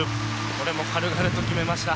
これも軽々と決めました。